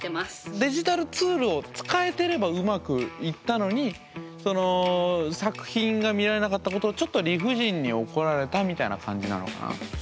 デジタルツールを使えてればうまくいったのに作品が見られなかったことをちょっと理不尽に怒られたみたいな感じなのかな？